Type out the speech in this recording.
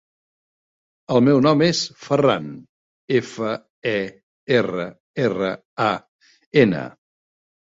El meu nom és Ferran: efa, e, erra, erra, a, ena.